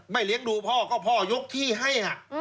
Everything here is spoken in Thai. เลี้ยงดูพ่อก็พ่อยกที่ให้